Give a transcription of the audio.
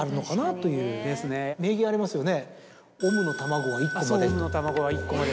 そう「オムの卵は１個まで」